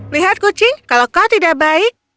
lihat kucing kalau kau tidak baik